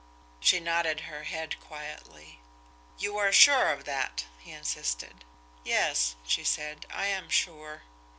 She nodded her head quietly. "You are sure of that?" he insisted. "Yes," she said. "I am sure."